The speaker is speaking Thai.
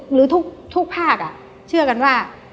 หรือทุกภาคเชื่อกันว่า